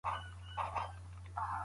د معدې درد د خوړو د مسمومیت لومړۍ نښه ده.